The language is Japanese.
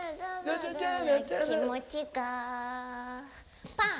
「気持ちが」パン！